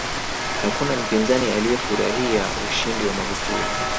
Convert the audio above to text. hakuna mpinzani aliyefurahia ushindi wa magufuli